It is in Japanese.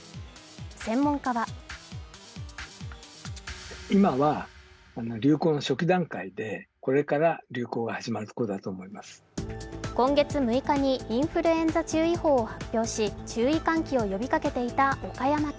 専門家は今月６日にインフルエンザ注意報を発表し注意喚起を呼びかけていた岡山県。